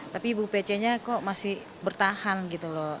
tapi ibu pece nya kok masih bertahan gitu loh